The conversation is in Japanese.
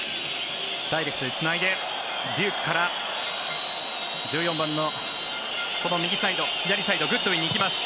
ダイレクトにつないでデュークから１４番のこの左サイドグッドウィンに行きます。